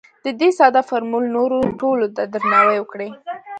د دې ساده فورمول نورو ټولو ته درناوی وکړئ.